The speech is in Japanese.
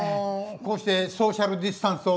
これがソーシャルディスタンス。